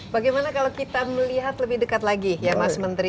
bagaimana kalau kita melihat lebih dekat lagi ya mas menteri